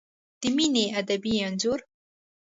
د مینې ادبي انځور